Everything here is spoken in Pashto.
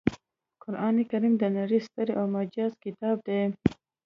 قرانکریم د نړۍ ستر او معجز کتاب دی